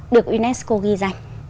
được unesco ghi dành